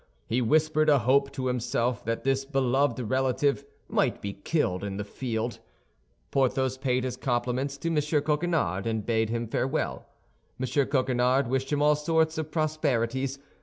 He whispered a hope to himself that this beloved relative might be killed in the field. Porthos paid his compliments to M. Coquenard and bade him farewell. M. Coquenard wished him all sorts of prosperities.